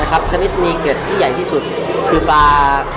กระนิดมีกะทิที่ใหญ่ครึบสุด